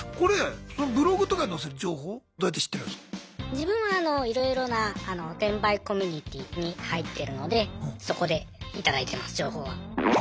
自分はいろいろな転売コミュニティーに入ってるのでそこで頂いてます情報は。え？